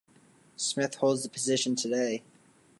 Smith holds the position today.